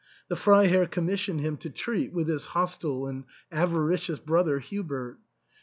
The Freiherr commissioned him to THE ENTAIL. 289 treat with his hostile and avaricious brother Hubert.